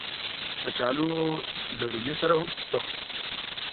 کچالو له رومي سره هم ښه خوري